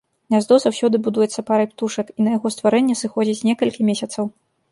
Гняздо заўсёды будуецца парай птушак, і на яго стварэнне сыходзіць некалькі месяцаў.